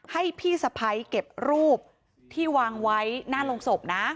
ให้พี่สะพ้ายเก็บรูปที่วางไว้หน้าโรงศพนะ